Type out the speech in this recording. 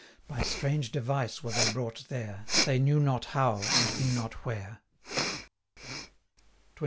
By strange device were they brought there, They knew not how, and knew not where. XXV.